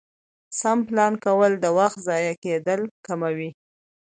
سم پلان کول د وخت ضایع کېدل کموي